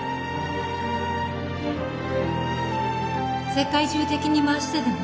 世界中敵に回してでも